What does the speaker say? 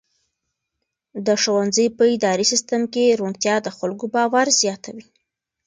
د ښوونځي په اداري سیسټم کې روڼتیا د خلکو باور زیاتوي.